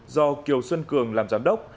do kiều xuân cường làm giám đốc